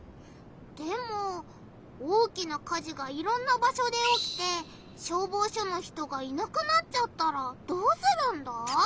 でも大きな火事がいろんな場しょでおきて消防署の人がいなくなっちゃったらどうするんだ？